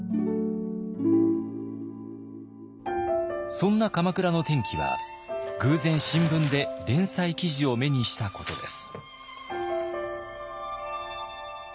そんな鎌倉の転機は偶然新聞で連載記事を目にしたことです。